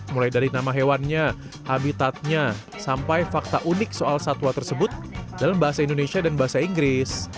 mulai dari nama hewannya habitatnya sampai fakta unik soal satwa tersebut dalam bahasa indonesia dan bahasa inggris